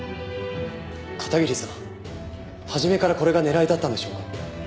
片桐さん初めからこれが狙いだったんでしょうか？